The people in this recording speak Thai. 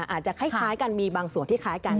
อาจจะคล้ายกันมีบางส่วนที่คล้ายกัน